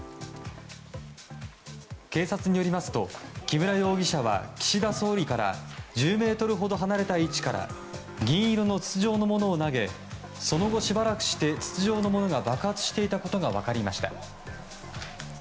警察によりますと木村容疑者は岸田総理から１０ｍほど離れた位置から銀色の筒状のものを投げその後、しばらくして筒状のものが爆発していたことが分かりました。